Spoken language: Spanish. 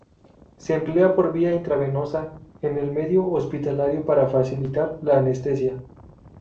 Se emplea por vía intravenosa en el medio hospitalario para facilitar la anestesia.